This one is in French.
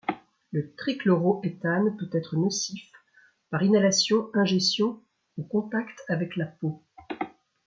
Le trichloroéthane peut être nocif par inhalation, ingestion ou contact avec la peau.